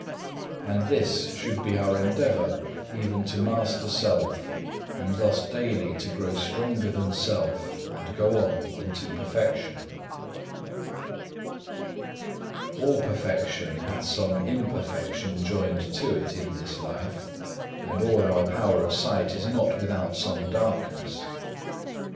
And this should be our endeavour, even to master self, and thus daily to grow stronger than self, and go on unto perfection. 4. All perfection hath some imperfection joined to it in this life, and all our power of sight is not without some darkness.